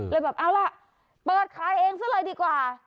แบบเอาล่ะเปิดขายเองซะเลยดีกว่า